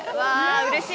うれしい。